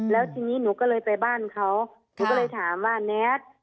แล้วทีนี้หนูก็เลยไปบ้านเขาหนูก็เลยถามว่าแน็ต